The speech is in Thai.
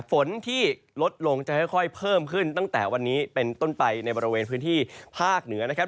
ฝนที่ลดลงจะค่อยเพิ่มขึ้นตั้งแต่วันนี้เป็นต้นไปในบริเวณพื้นที่ภาคเหนือนะครับ